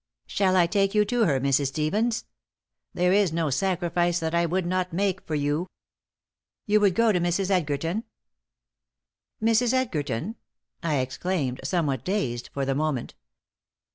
"Shall I take you to her, Mrs. Stevens? There is no sacrifice that I would not make for you. You would go to Mrs. Edgerton?" "Mrs. Edgerton?" I exclaimed, somewhat dazed for the moment.